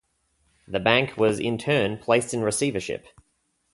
The bank was in turn placed in receivership.